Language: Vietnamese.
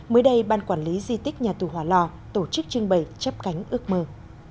mới đây ban quản lý di tích nhà tù hòa lò tổ chức trưng bày chấp cánh ước mơ